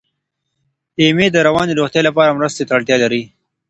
ایمي د رواني روغتیا لپاره مرستې ته اړتیا لري.